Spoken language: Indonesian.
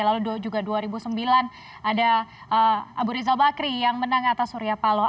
lalu juga dua ribu sembilan ada abu rizal bakri yang menang atas surya paloh